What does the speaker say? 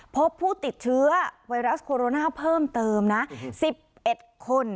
พบผู้ติดเชื้อไวรัสโคโรนาเพิ่มเติมนะ๑๑คน